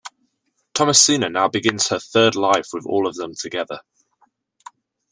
Thomasina now begins her third life with all of them together.